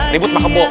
ribut mah kebo